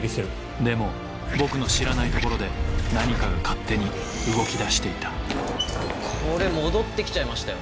でも僕の知らないところで何かが勝手に動きだしていたこれ戻って来ちゃいましたよ。